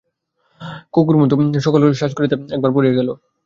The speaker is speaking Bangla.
কুকুম-মতো সকল কোজ সারিতে বেলা একেবারে পড়িয়া গেল।